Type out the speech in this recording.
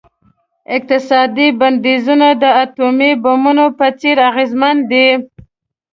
اقتصادي بندیزونه د اټومي بمونو په څیر اغیزمن دي.